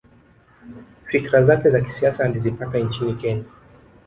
Fikra zake za kisiasa alizipata nchini Kenya